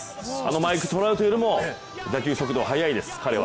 マイク・トラウトよりも打球速度速いです、彼は。